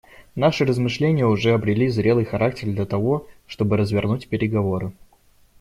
Наши размышления уже обрели зрелый характер для того, чтобы развернуть переговоры.